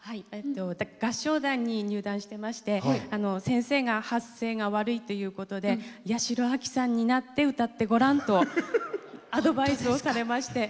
合唱団に入団してまして先生が発声が悪いということで八代亜紀さんになって歌ってごらんとアドバイスをされまして。